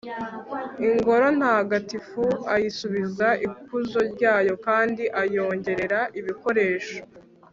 ingoro ntagatifu ayisubiza ikuzo ryayo kandi ayongerera ibikoresho